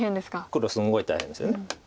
黒はすごい大変ですよね。